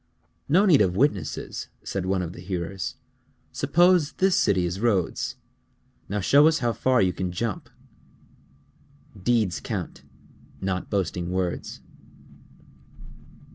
"No need of witnesses," said one of the hearers. "Suppose this city is Rhodes. Now show us how far you can jump." _Deeds count, not boasting words.